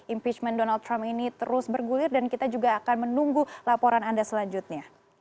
impeachment donald trump ini terus bergulir dan kita juga akan menunggu laporan anda selanjutnya